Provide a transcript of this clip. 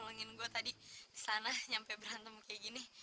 lo mau nyolong gue tadi di sana nyampe berantem kayak gini